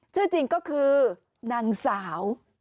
ชื่อจริงก็คือนางสาว